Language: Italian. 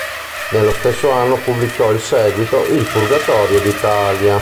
Nello stesso anno pubblicò il seguito, "Il Purgatorio d'Italia".